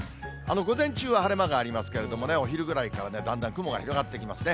午前中は晴れ間がありますけれどもね、お昼ぐらいからだんだん雲が広がってきますね。